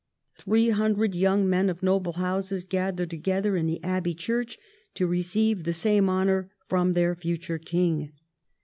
Three hundred young men of noble houses gathered together in the Abbey Church to receive the same honour from their future king.